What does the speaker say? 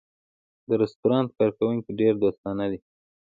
د رستورانت کارکوونکی ډېر دوستانه دی.